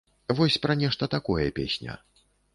Вось пра нешта такое песня.